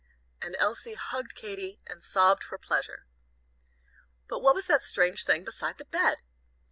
and Elsie hugged Katy, and sobbed for pleasure. But what was that strange thing beside the bed!